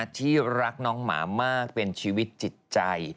ที่รักน้องหมามากเป็นชีวิตจิตใจ